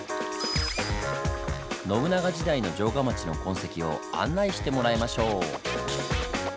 信長時代の城下町の痕跡を案内してもらいましょう。